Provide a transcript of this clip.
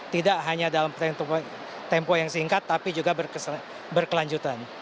tidak hanya dalam tempo yang singkat tapi juga berkelanjutan